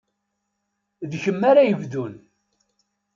D kemm ara yebdun.